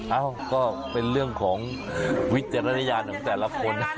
เอ้าก็เป็นเรื่องของวิจารณญาณของแต่ละคนนะ